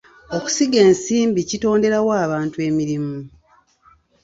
Okusiga ensimbi kitonderawo abantu emirimu.